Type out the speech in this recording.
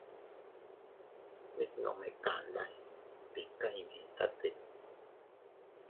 Mit nome kandas tika iyditate.